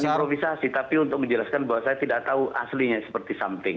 improvisasi tapi untuk menjelaskan bahwa saya tidak tahu aslinya seperti something